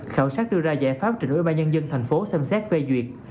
khảo sát đưa ra giải pháp trình ưu ba nhân dân thành phố xem xét phê duyệt